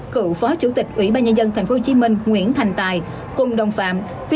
cựu phó chủ tịch ủy ban nhân dân tp hcm nguyễn thành tài cùng đồng phạm